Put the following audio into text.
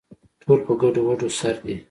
ټول په ګډووډو سر دي